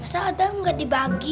masa adam gak dibagi